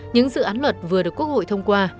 những dự án luật vừa được quốc hội thông qua